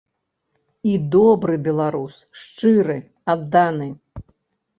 І добры беларус, шчыры, адданы.